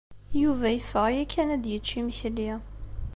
Yuba yeffeɣ ya kan ad d-yečč imekli.